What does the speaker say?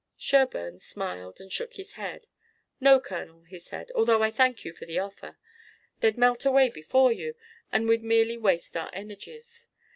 Sherburne smiled and shook his head. "No, Colonel," he said, "although I thank you for the offer. They'd melt away before you and we'd merely waste our energies.